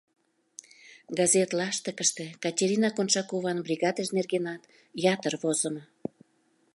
Газет лаштыкыште Катерина Коншакован бригадыж нергенат ятыр возымо.